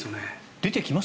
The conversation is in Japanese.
出てきます？